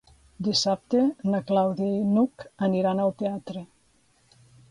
Dissabte na Clàudia i n'Hug aniran al teatre.